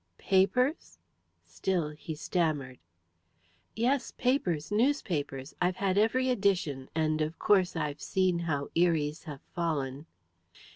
"Papers?" Still he stammered. "Yes, papers newspapers. I've had every edition, and of course I've seen how Eries have fallen.